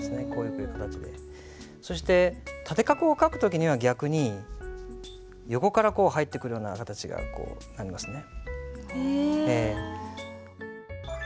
そして縦画を書く時には逆に横からこう入ってくるような形がこうなりますね。